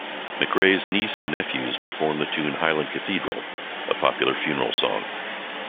McRae's niece and nephews performed the tune Highland Cathedral, a popular funeral song.